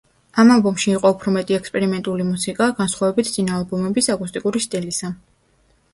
ამ ალბომში იყო უფრო მეტი ექსპერიმენტული მუსიკა, განსხვავებით წინა ალბომების აკუსტიკური სტილისა.